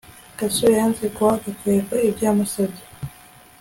gasore yanze guha gakwego ibyo yamusabye